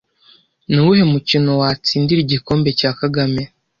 Nuwuhe mukino watsindira Igikombe cya kagame